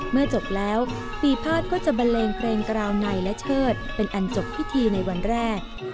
เมื่อจบแล้วปีภาษก็จะบันเลงเพลงกราวในและเชิดเป็นอันจบพิธีในวันแรก